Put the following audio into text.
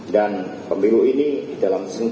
dan pemilu ini di dalam sempurna